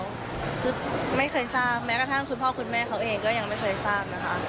ว่าเพื่อนมันมั่นแล้วคือไม่เคยทราบแม้กระทั่งคุณพ่อคุณแม่เขาเองก็ยังไม่เคยทราบนะคะ